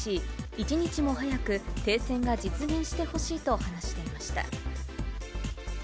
一日も早く停戦が実現してほしいと話していました。